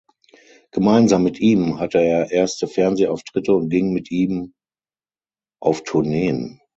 Gemeinsam mit ihm hatte er erste Fernsehauftritte und ging mit ihm auf Tourneen.